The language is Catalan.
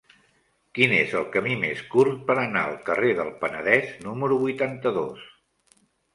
Quin és el camí més curt per anar al carrer del Penedès número vuitanta-dos?